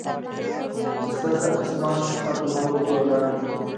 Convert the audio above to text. چې ځه ځه اسمان چې ستا پر دوه ګوتې ولاړ وي.